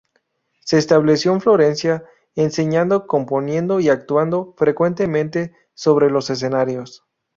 Se estableció en Florencia, enseñando, componiendo y actuando frecuentemente sobre los escenarios.